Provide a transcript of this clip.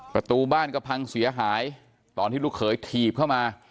ประตูบ้านก็พังเสียหายตอนที่ลูกเขยถีบเข้ามา